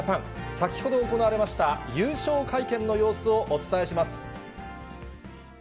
先ほど行われました、優勝会見の様子をお伝えします。